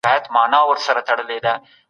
د لرغونو توکو ساتنه څنګه کيږي؟